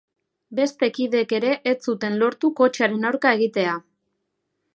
Beste kideek ere ez zuten lortu kotxearen aurka egitea.